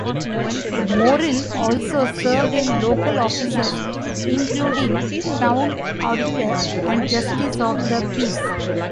Morrill also served in local offices including Town Auditor and Justice of the Peace.